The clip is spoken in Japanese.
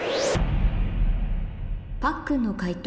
パックンの解答